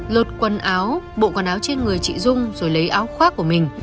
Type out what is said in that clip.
lột quần áo bộ quần áo trên người chị dung rồi lấy áo khoác của mình